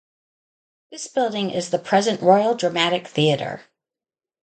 This building is the present Royal Dramatic Theatre.